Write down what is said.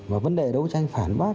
và vấn đề đấu tranh phản bác